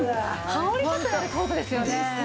羽織りたくなるコートですよね。です。